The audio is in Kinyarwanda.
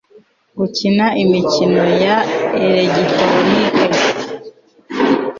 gukina imikino ya elegitoroniki